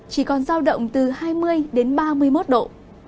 chỉ còn giao động từ hai mươi đến ba mươi một độ